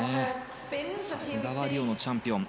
さすがはリオのチャンピオン。